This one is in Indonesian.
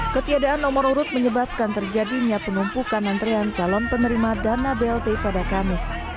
ketiadaan nomor urut menyebabkan terjadinya penumpukan antrean calon penerima dana blt pada kamis